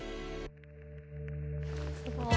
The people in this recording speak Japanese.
すごい。